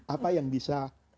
apa yang bisa anda lakukan sesuai